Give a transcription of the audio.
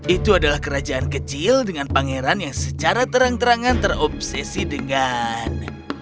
itu adalah kerajaan kecil dengan pangeran yang secara terang terangan terobsesi dengan